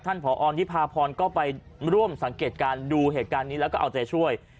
ผอนที่พาพรก็ไปร่วมสังเกตการณ์ดูเหตุการณ์นี้แล้วก็เอาใจช่วย